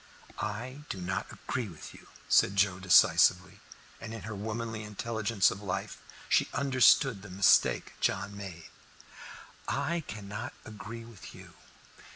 "I do not agree with you," said Joe decisively, and in her womanly intelligence of life she understood the mistake John made. "I cannot agree with you.